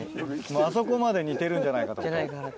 あそこまで似てるんじゃないかと。